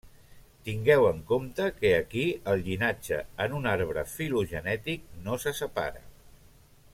Tingueu en compte que aquí el llinatge en un arbre filogenètic no se separa.